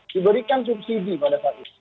diberikan subsidi pada saat itu